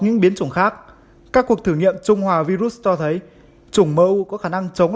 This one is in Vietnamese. những biến chủng khác các cuộc thử nghiệm trung hòa virus cho thấy chủng mẫu có khả năng chống